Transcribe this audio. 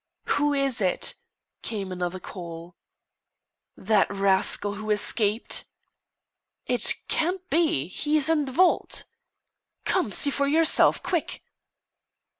"Who is it?" came another call. "That rascal who escaped!" "It can't be he is in the vault." "Come, see for yourself. Quick!"